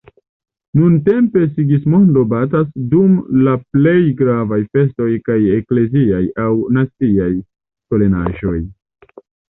Nuntempe "Sigismondo" batas dum la plej gravaj festoj kaj ekleziaj aŭ naciaj solenaĵoj.